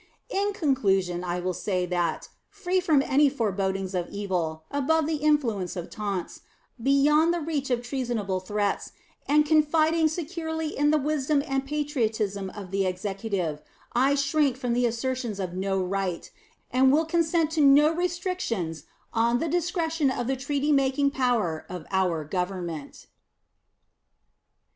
In conclusion, I will say that, free from any forebodings of evil, above the influence of taunts, beyond the reach of treasonable threats, and confiding securely in the wisdom and patriotism of the Executive, I shrink from the assertion of no right, and will consent to no restrictions on the discretion of the treaty making power of our Government.